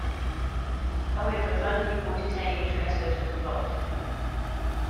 However, funding for detainee transfers was blocked.